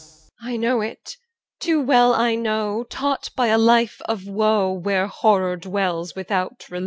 II 1 EL. I know it. Too well I know, Taught by a life of woe, Where horror dwells without relief.